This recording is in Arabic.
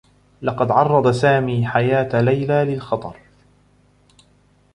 لقد عرّض سامي حياة ليلى للخطر.